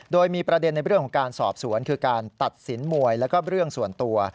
โดยมีประเด็นในเรื่องของการสอบสวนคือการตัดสินมวยแล้วก็เรื่องส่วนตัว